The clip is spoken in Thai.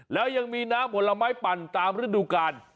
แล้วยังมีน้ำผลไม้ปั่นตามฤดูกาล